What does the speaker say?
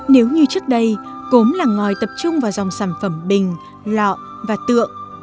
nếu như trước đây gốm làng ngòi tập trung vào dòng sản phẩm bình lọ và tượng